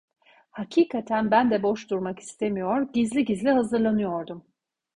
Hakikaten ben de boş durmak istemiyor, gizli gizli hazırlanıyordum.